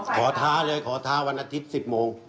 ท้าเลยขอท้าวันอาทิตย์๑๐โมง